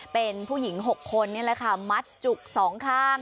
เป็นผู้หญิง๖คนมัดจุก๒ข้าง